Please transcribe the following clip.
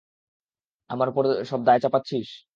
আমার ওপর সব দায় চাপাচ্ছিস?